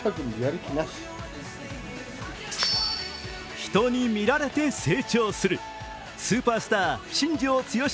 人に見られて成長する、スーパースター・新庄剛志